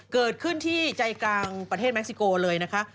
เกิดขึ้นที่ใจกลางประเทศเม็กซิโกเลยนะคะ